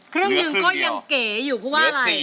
ครึ่งหนึ่งก็ยังเก๋อยู่เพราะว่าอะไร